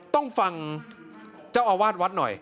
ต้องฟังเจ้าอาวาสวัดหน่อย